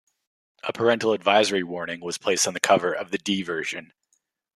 A Parental Advisory warning was placed on the cover of the D Version.